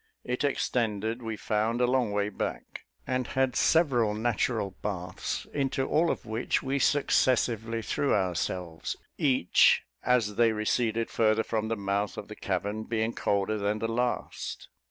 It extended, we found, a long way back, and had several natural baths, into all of which we successively threw ourselves, each, as they receded farther from the mouth of the cavern, being colder than the last.